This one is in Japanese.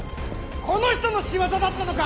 この人の仕業だったのか！